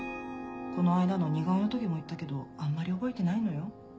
この間の似顔絵の時も言ったけどあんまり覚えてないのよ。